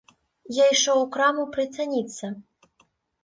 Я ішоў у краму прыцаніцца.